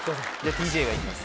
ＴＪがいきます。